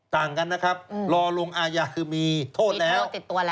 ต่างกันนะครับรอลงอายาคือมีโทษแล้ว